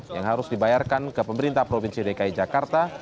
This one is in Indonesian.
yang harus dibayarkan ke pemerintah provinsi dki jakarta